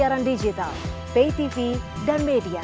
karena sudah dibawa di jalan ya sudah